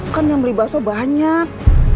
kan yang beli bakso banyak